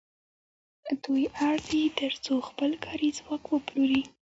دوی اړ دي تر څو خپل کاري ځواک وپلوري